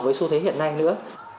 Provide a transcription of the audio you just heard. với xu thế hiện nay nữa